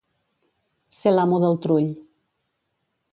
Ser l'amo del trull.